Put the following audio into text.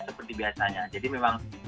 seperti biasanya jadi memang